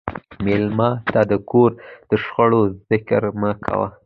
مېلمه ته د کور د شخړو ذکر مه کوه.